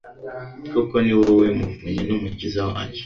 Koko ni wowe muvunyi n’umukiza wanjye